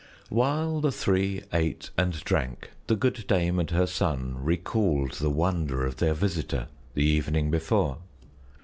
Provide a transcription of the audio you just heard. While the three ate and drank, the good dame and her son recalled the wonder of their visitor the evening before.